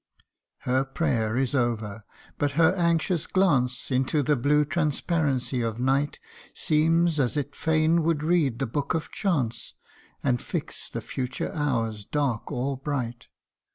Her prayer is over ; but her anxious glance Into the blue transparency of night Seems as it fain would read the book of chance, And fix the future hours, dark or bright.